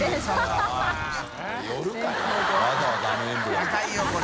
高いよこれ。